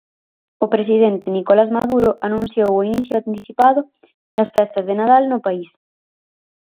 O presidente Nicolás Maduro anunciou o inicio anticipado das festas de Nadal no país.